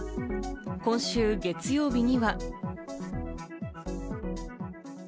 今週月曜日に。